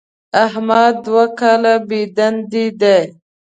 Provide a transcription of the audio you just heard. احمد دوه کاله بېدندې دی.